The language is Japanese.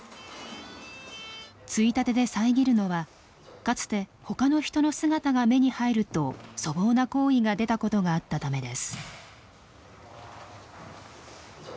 ついたてで遮るのはかつて他の人の姿が目に入ると粗暴な行為が出たことがあったためです。